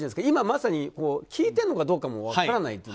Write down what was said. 今まさに効いてるのかどうかも分からない。